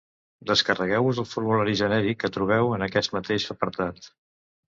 Descarregueu-vos el formulari genèric que trobeu en aquest mateix apartat.